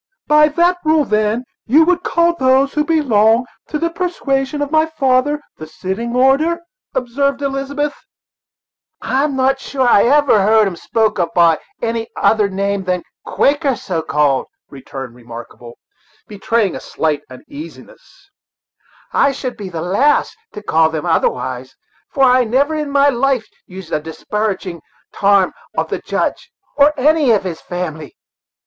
"By that rule, then, you would call those who belong' to the persuasion of my father, the sitting order," observed Elizabeth. "I'm sure I've never heard 'em spoken of by any other' name than Quakers, so called," returned Remarkable, betraying a slight uneasiness; "I should be the last to call them otherwise, for I never in my life used a disparaging' tarm of the Judge, or any of his family.